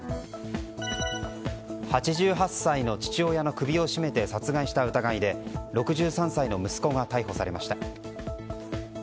８８歳の父親の首を絞めて殺害した疑いで６３歳の息子が逮捕されました。